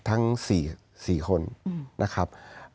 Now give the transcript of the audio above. ทั้ง๔คนนะครับ